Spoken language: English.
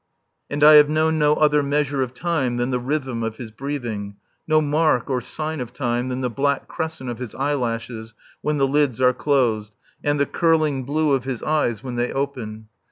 And I have known no other measure of time than the rhythm of his breathing, no mark or sign of time than the black crescent of his eyelashes when the lids are closed, and the curling blue of his eyes when they open.